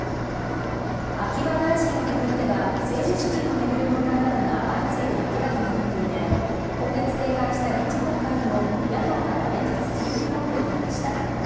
秋葉大臣を巡っては政治資金を巡る問題などが連日明らかになっていまして、今月閉会した臨時国会でも野党から連日、追及を受けていました。